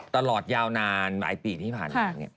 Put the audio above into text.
ตลอดยาวนานหลายปีที่ผ่านมา